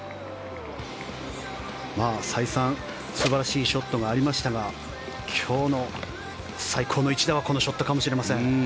再三素晴らしいショットがありましたが今日の最高の一打はこのショットかもしれません。